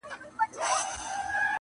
څوک له ښاره څوک راغلي وه له کلي!!